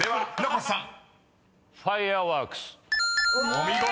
［お見事！